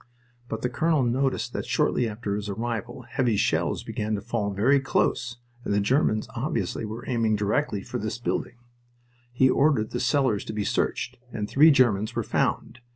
But the colonel noticed that shortly after his arrival heavy shells began to fall very close and the Germans obviously were aiming directly for this building. He ordered the cellars to be searched, and three Germans were found.